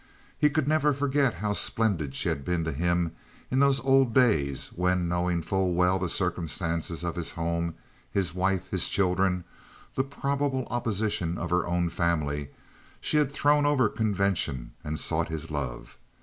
He could never forget how splendid she had been to him in those old days when, knowing full well the circumstances of his home, his wife, his children, the probable opposition of her own family, she had thrown over convention and sought his love.